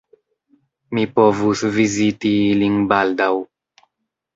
Mi povus viziti ilin baldaŭ.